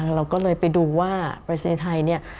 เราก็เลยไปดูว่าปราศนียไทย